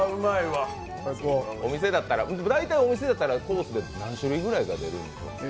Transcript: お店だったらコースで何種類くらいが出るんですか？